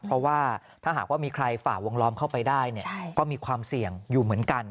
เพราะว่าถ้าหากว่ามีใครฝ่าวงล้อมเข้าไปได้ก็มีความเสี่ยงอยู่เหมือนกัน